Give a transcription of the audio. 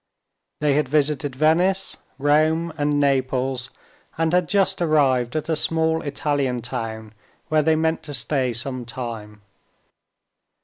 They had visited Venice, Rome, and Naples, and had just arrived at a small Italian town where they meant to stay some time.